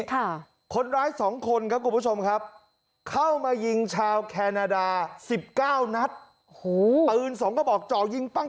ค่ะคนร้ายสองคนกับส่วนครับเข้ามายิงชาวแคนดา๑๙นัดเนื้อเป็นสองกระบอกจ่อยิงปัง